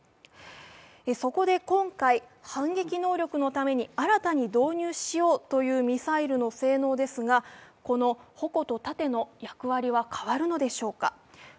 そこで今回反撃能力のために新たに導入しようというミサイルの性能ですがこの矛と盾の役割は変わるのでしょうか。